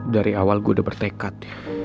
dari awal gue udah bertekad ya